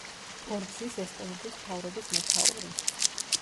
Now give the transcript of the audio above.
ორგზის ესტონეთის მთავრობის მეთაური.